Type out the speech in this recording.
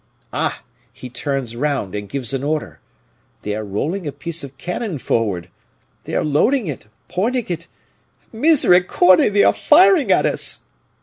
Ah! he turns round, and gives an order; they are rolling a piece of cannon forward they are loading it pointing it. Misericorde! they are firing at us!"